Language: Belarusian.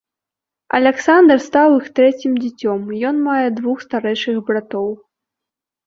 Аляксандр стаў іх трэцім дзіцём, ён мае двух старэйшых братоў.